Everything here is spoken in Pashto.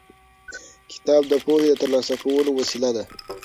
کتاب د پوهې د ترلاسه کولو وسیله ده.